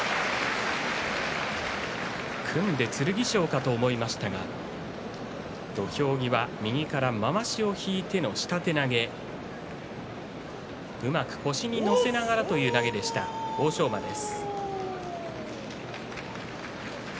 組んで剣翔かと思いましたが土俵際、右からまわしを引いての下手投げうまく腰に乗せながらという投げでした、欧勝馬です。